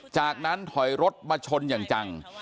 จากนั้นถอยรถมาชนอย่างจัง